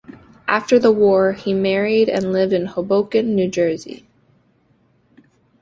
After the war he married and lived in Hoboken, New Jersey.